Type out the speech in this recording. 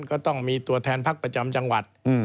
ก็ต้องมีตัวแทนพักประจำจังหวัด